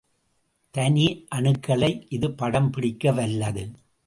தனி அணுக்களை இது படம் பிடிக்க வல்லது.